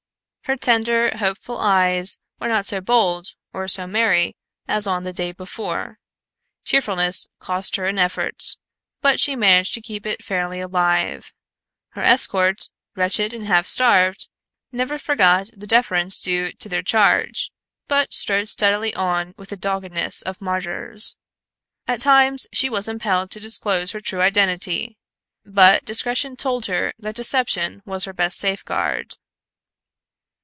Her tender, hopeful eyes were not so bold or so merry as on the day before; cheerfulness cost her an effort, but she managed to keep it fairly alive. Her escort, wretched and half starved, never forgot the deference due to their charge, but strode steadily on with the doggedness of martyrs. At times she was impelled to disclose her true identity, but discretion told her that deception was her best safeguard.